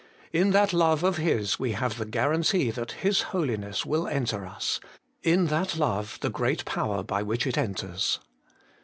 In that love of His we have the guarantee that His Holiness will enter us ; in that love the great power by which it enters.